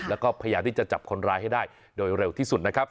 แล้วก็พยายามที่จะจับคนร้ายให้ได้โดยเร็วที่สุดนะครับ